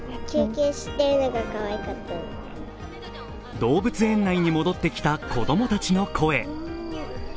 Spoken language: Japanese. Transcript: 動物園内に戻ってきた子供たちの声。